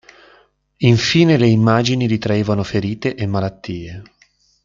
Infine le immagini ritraevano ferite e malattie.